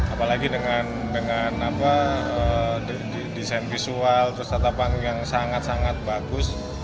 apalagi dengan desain visual atapan yang sangat sangat bagus